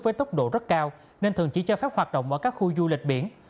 với tốc độ rất cao nên thường chỉ cho phép hoạt động ở các khu du lịch biển